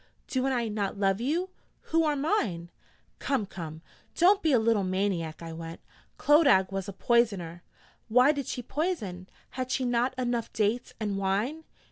'Do I not love you, who are mine?' 'Come, come, don't be a little maniac!' I went. 'Clodagh was a poisoner....' 'Why did she poison? Had she not enough dates and wine?'